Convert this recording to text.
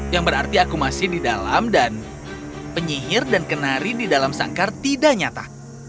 yang berarti aku masih di dalam dan penyihir dan kenari di dalam sangkar tidak nyata